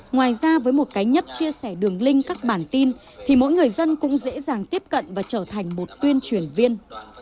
ngoài ra với một cái nhấp chia sẻ đường link các bản tin thì mỗi người dân cũng dễ dàng tiếp cận và trở thành một tuyên truyền viên